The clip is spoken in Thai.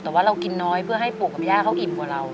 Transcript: แต่ว่าเรากินน้อยเพื่อให้ปู่กับย่าเขาอิ่มกว่าเรา